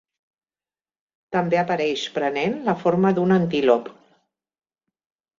També apareix prenent la forma d'un antílop.